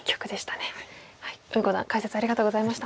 呉五段解説ありがとうございました。